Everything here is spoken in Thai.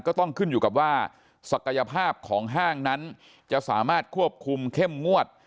ก็ต้องขึ้นอยู่กับว่าศักยภาพของห้างนั้นจะสามารถควบคุมเข้มงวด